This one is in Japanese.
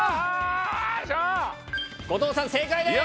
後藤さん正解です。